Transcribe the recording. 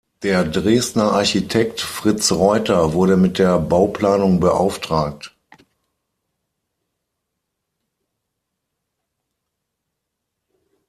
Der Dresdner Architekt Fritz Reuter wurde mit der Bauplanung beauftragt.